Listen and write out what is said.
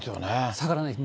下がらないです。